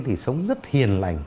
thì sống rất hiền lành